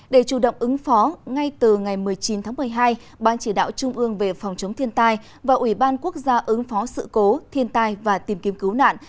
để chủ động ứng phó ngay từ ngày một mươi chín tháng một mươi hai ban chỉ đạo trung ương về phòng chống thiên tai và ủy ban quốc gia ứng phó sự cố thiên tai và tìm kiếm cứu nạn